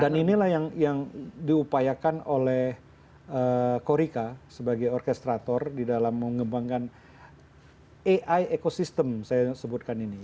dan inilah yang diupayakan oleh korika sebagai orkestrator di dalam mengembangkan ai ecosystem saya sebutkan ini